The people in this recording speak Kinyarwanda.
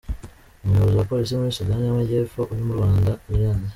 Umuyobozi wa Polisi muri Sudani y’Amajyepfo uri mu Rwanda, Gen.